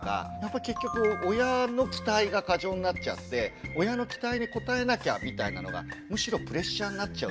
結局親の期待が過剰になっちゃって親の期待に応えなきゃみたいなのがむしろプレッシャーになっちゃうっていうか。